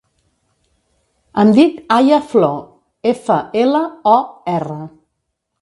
Em dic Aya Flor: efa, ela, o, erra.